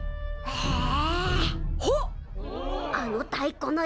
へえ。